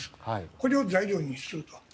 これを材料にすると。